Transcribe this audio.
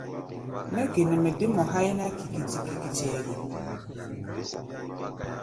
Nɛ́ ge nɛ mɛ dé mɔ háí ná kikiti-kikitiʼɛ ge?